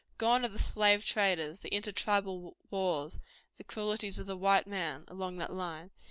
Gone are the slave raiders, the inter tribal wars, the cruelties of the white men, along that line.